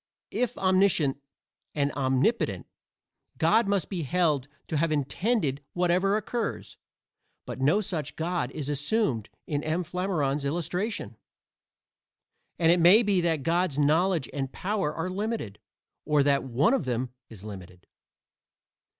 If omniscient and omnipotent, God must be held to have intended whatever occurs, but no such God is assumed in M. Flammarion's illustration, and it may be that God's knowledge and power are limited, or that one of them is limited.